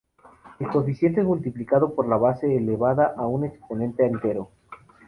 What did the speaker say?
El coeficiente es multiplicado por la base elevada a un exponente entero.